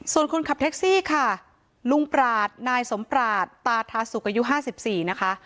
ส่วนคนขับแท็กซี่ค่ะลุงปราศนายสมปราศตาทาสุกอายุ๕๔นะคะ